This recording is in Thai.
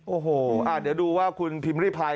โอ้โหเดี๋ยวดูว่าคุณพิมพ์ริพาย